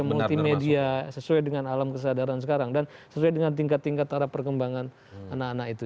multimedia sesuai dengan alam kesadaran sekarang dan sesuai dengan tingkat tingkat arah perkembangan anak anak itu